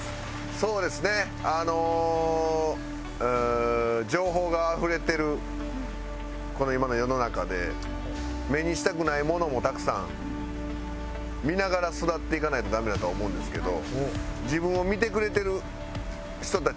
そうですねあの情報があふれてるこの今の世の中で目にしたくないものもたくさん見ながら育っていかないとダメだとは思うんですけど。